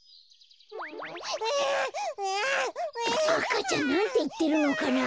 赤ちゃんなんていってるのかな？